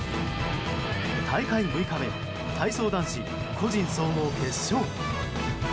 大会６日目体操男子個人総合決勝。